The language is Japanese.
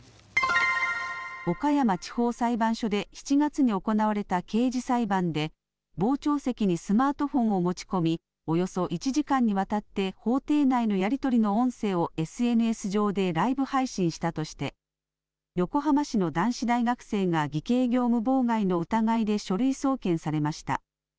岡山地方裁判所で７月に行われた刑事裁判で傍聴席にスマートフォンを持ち込みおよそ１時間にわたって法廷内のやり取りの音声をＳＮＳ上でライブ配信したとして横浜市の男子大学生が偽計業務妨害の疑いで書類送検されました。